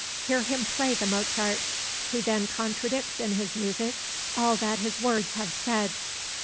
"Hear him play the Mozart. He then contradicts in his music all that his words have said."